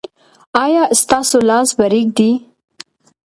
ایا ستاسو لاس به ریږدي؟